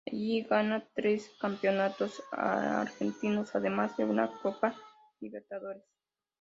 Allí gana tres campeonatos argentinos, además de una Copa Libertadores.